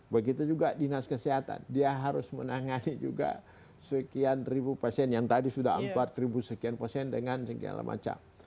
begitu juga dinas kesehatan dia harus menangani juga sekian ribu pasien yang tadi sudah empat ribu sekian pasien dengan segala macam